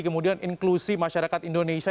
kemudian inklusi masyarakat indonesia